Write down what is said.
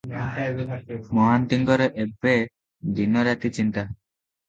ମହାନ୍ତିଙ୍କର ଏବେ ଦିନ ରାତି ଚିନ୍ତା ।